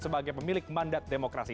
sebagai pemilik mandat demokrasi